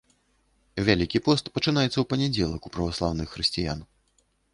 Вялікі пост пачынаецца ў панядзелак у праваслаўных хрысціян.